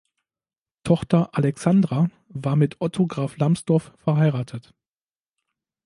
Tochter Alexandra war mit Otto Graf Lambsdorff verheiratet.